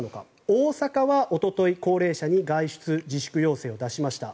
大阪はおととい、高齢者に外出自粛要請を出しました。